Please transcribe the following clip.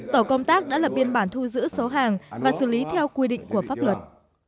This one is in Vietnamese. tổ công tác đã lập biên bản thu giữ số hàng và xử lý theo quy định của pháp luật